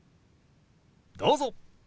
どうぞ。